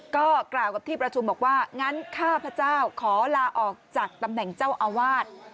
ก็กล่าวกับที่ประชุมบอกว่างั้นข้าพเจ้าขอลาออกจากตำแหน่งเจ้าอาวาส